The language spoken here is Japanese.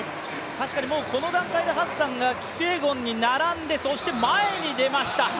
確かにこの段階でハッサンがキピエゴンに並んで、そして前に出ました。